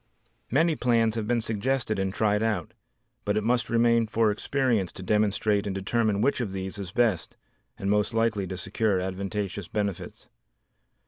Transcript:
Many plans have been suggested and tried out, but it must remain for experience to demonstrate and determine which of these is best and most likely to secure advantageous benefits.